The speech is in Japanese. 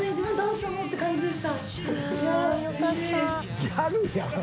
よかった。